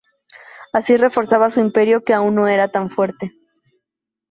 Así reforzaba su imperio que aún no era tan fuerte.